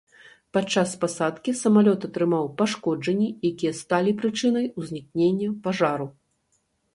Падчас пасадкі самалёт атрымаў пашкоджанні, якія сталі прычынай узнікнення пажару.